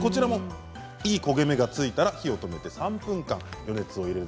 いい焦げ目がついたら火を止めて３分間、余熱を入れる。